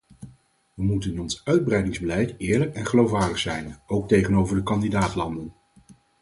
We moeten in ons uitbreidingsbeleid eerlijk en geloofwaardig zijn, ook tegenover de kandidaat-landen.